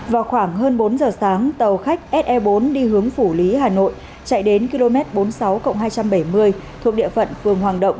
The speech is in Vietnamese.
vào khoảng hơn bốn giờ sáng tàu khách se bốn đi hướng phủ lý hà nội chạy đến km bốn mươi sáu hai trăm bảy mươi thuộc địa phận phường hoàng động